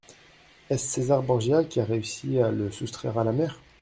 Est-ce César Borgia qui a réussi à le soustraire à la mère ?